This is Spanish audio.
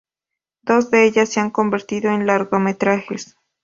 Dos de ellas se han convertido en largometrajes.